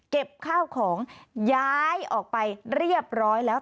เก็บข้าวของย้ายออกไปเรียบร้อยแล้ว